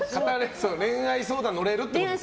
恋愛相談乗れるってことですか。